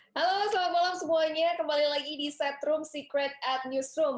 halo selamat malam semuanya kembali lagi di setrum secret at newsroom